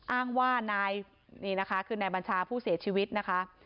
อ้างว่านายนี่นะคะคือนายบัญชาผู้เสียชีวิตนะคะ